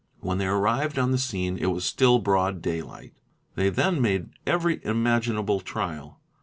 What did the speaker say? When they arrived on the scene, 1t was still broad day light! They then made every imaginable trial.